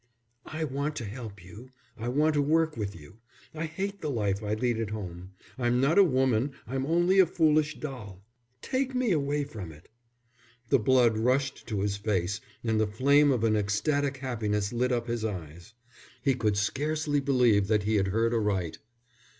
"I want to help you, I want to work with you, I hate the life I lead at home. I'm not a woman, I'm only a foolish doll. Take me away from it." The blood rushed to his face and the flame of an ecstatic happiness lit up his eyes. He could scarcely believe that he had heard aright.